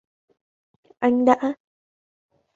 Anh đã